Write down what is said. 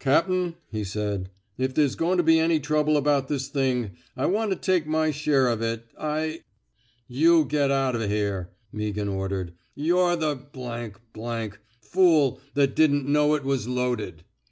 Cap'n/' he said, if there's goin' to be any trouble about this thing, I want to take my share of it. I —''You get out of here," Meaghan ordered. '' You're the ' fool that didn't know it was loaded.'